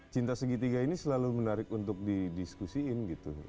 cinta segitiga ini selalu menarik untuk didiskusiin gitu